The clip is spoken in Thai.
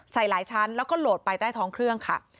ใส่หลายชั้นแล้วก็โหลดไปใต้ท้องเครื่องค่ะ